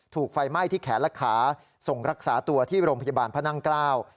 ถูกไฟไหม้ที่แขนและขาส่งรักษาตัวที่โรงพยาบาลพระนั่งเกล้า